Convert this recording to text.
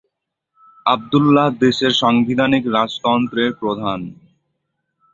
আবদুল্লাহ দেশের সাংবিধানিক রাজতন্ত্রের প্রধান।